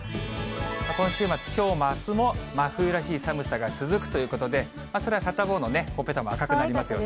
今週末、きょうもあすも真冬らしい寒さが続くということで、それはサタボーのほっぺたも赤くなりますよね。